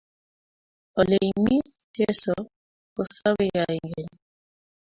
Ole imi, Jesu kesabe koikeny